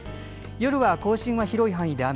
夜は甲信は広い範囲で雨